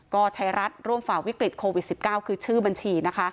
ก็ไทยรัฐร่วมฝ่าวิกฤตโควิด๑๙คือชื่อบัญชีนะคะ